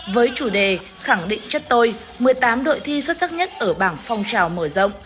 với chủ đề khẳng định chất tôi một mươi tám đội thi xuất sắc nhất ở bảng phong trào mở rộng